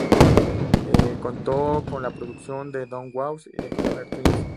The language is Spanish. Contó con la producción de Don Was y The Glimmer Twins.